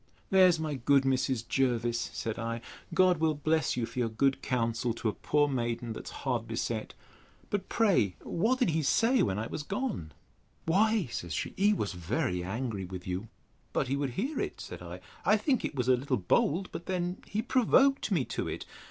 There's my good Mrs. Jervis! said I; God will bless you for your good counsel to a poor maiden, that is hard beset. But pray what did he say, when I was gone? Why, says she, he was very angry with you. But he would hear it! said I: I think it was a little bold; but then he provoked me to it.